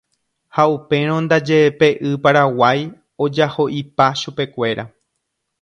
ha upérõ ndaje pe y Paraguái ojaho'ipa chupekuéra.